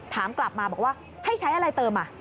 ถามกลับมาบอกว่าให้ใช้อะไรเติม